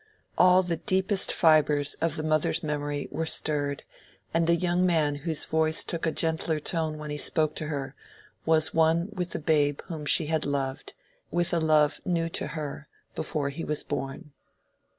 All the deepest fibres of the mother's memory were stirred, and the young man whose voice took a gentler tone when he spoke to her, was one with the babe whom she had loved, with a love new to her, before he was born.